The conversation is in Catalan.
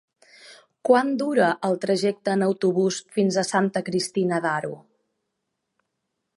Quant dura el trajecte en autobús fins a Santa Cristina d'Aro?